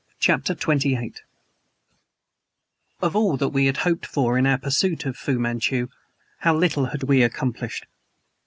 CHAPTER XXVIII OF all that we had hoped for in our pursuit of Fu Manchu how little had we accomplished.